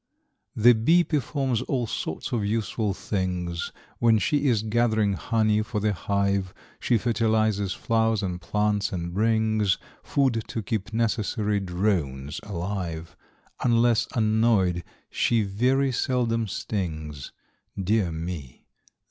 = The Bee performs all sorts of useful things When she is gathering honey for the hive, She fertilises flowers and plants, and brings Food to keep necessary Drones alive. Unless annoyed she very seldom stings, Dear me!